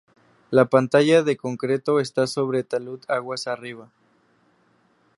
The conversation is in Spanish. La pantalla de concreto está sobre talud aguas arriba.